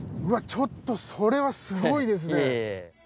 ちょっとそれはすごいですね。